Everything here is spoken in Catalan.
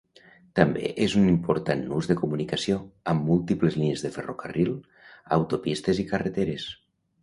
També és un important nus de comunicació, amb múltiples línies de ferrocarril, autopistes i carreteres.